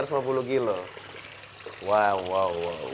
semasa hujan tiga ratus tiga ratus lima puluh kg